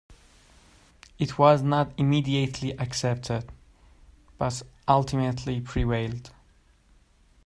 It was not immediately accepted but ultimately prevailed.